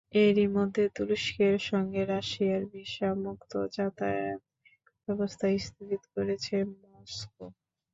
এরই মধ্যে তুরস্কের সঙ্গে রাশিয়ার ভিসা মুক্ত যাতায়াত ব্যবস্থা স্থগিত করেছে মস্কো।